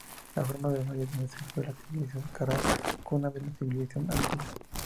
Forma el valle donde surgió la civilización Caral, cuna de la civilización andina.